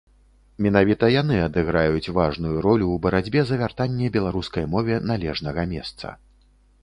Менавіта яны адыграюць важную ролю ў барацьбе за вяртанне беларускай мове належнага месца.